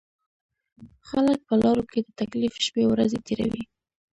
خلک په لارو کې د تکلیف شپېورځې تېروي.